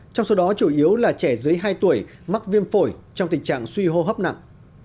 trong số đó chủ yếu là trẻ dưới hai tuổi mắc viêm phổi trong tình trạng suy hô hấp nặng